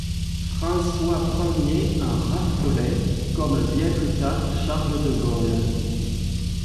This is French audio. François Ier en raffolait, comme bien plus tard Charles de Gaulle.